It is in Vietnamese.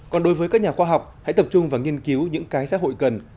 còn đối với các nhà khoa học hãy tập trung vào nghiên cứu những cái xã hội cần